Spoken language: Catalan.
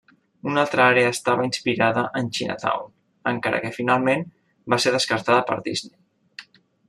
Una altra àrea estava inspirada en Chinatown, encara que finalment va ser descartada per Disney.